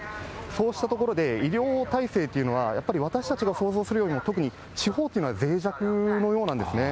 そうしたところで医療体制というのは、やっぱり私たちが想像するよりも特に地方というのはぜい弱のようなんですね。